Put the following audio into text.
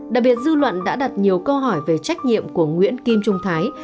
đặc biệt dư luận đã đặt nhiều câu hỏi về trách nhiệm của nguyễn kim trung thái